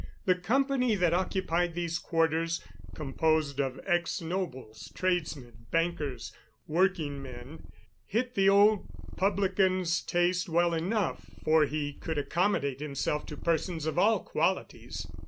The company that occupied these quarters, composed of ex nobles, tradesmen, bankers, working men, hit the old publican's taste well enough, for he could accommodate himself to persons of all qualities.